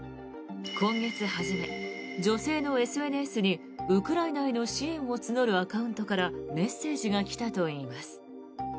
今月初め、女性のＳＮＳにウクライナへの支援を募るアカウントからメッセージが来たといいます。